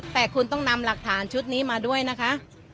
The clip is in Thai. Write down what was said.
แต่คุณต้องนำหลักฐานชุดนี้มาด้วยนะคะ